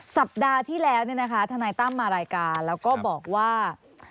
สัปดาห์ที่แล้วทนายตั้มมารายการแล้วก็บอกว่า